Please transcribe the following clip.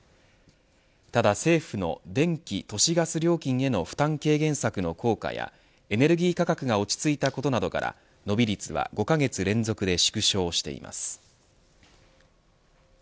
ただ政府の電気・都市ガス料金への負担軽減策の効果やエネルギー価格が落ち着いたことなどから伸び率は５カ月連続で縮小しています。